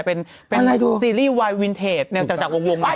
เป็นซีรีส์วายวินเทจจักรวงหน่อย